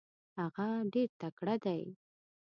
هغه ډېر تکړه دی.